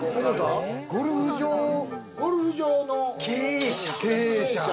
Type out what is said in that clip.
ゴルフ場の経営者。